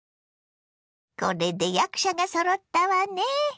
これで役者がそろったわね。